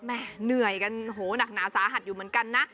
เหนื่อยกันโหหนักหนาสาหัสอยู่เหมือนกันนะ